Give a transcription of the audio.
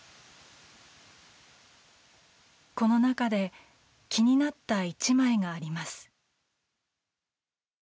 この中で気になった１枚があります。